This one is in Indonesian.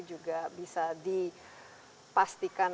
juga bisa dipastikan